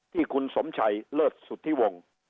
ที่คุณสมชัยเลิศสุธิวงศ์